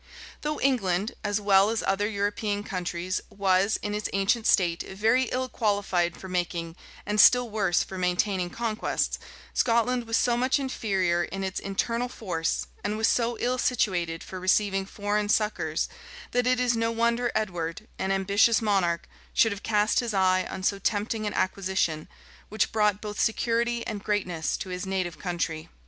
Though England, as well as other European countries, was, in its ancient state, very ill qualified for making, and still worse for maintaining conquests, Scotland was so much inferior in its internal force, and was so ill situated for receiving foreign succors, that it is no wonder Edward, an ambitious monarch, should have cast his eye on so tempting an acquisition, which brought both security and greatness to his native country.